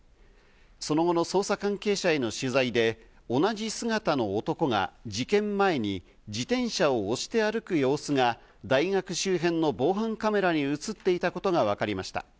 その後の捜査関係者への取材で同じ姿の男が事件前に自転車を押して歩く様子が大学周辺の防犯カメラにも映っていたことがわかりました。